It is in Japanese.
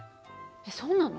えっそうなの？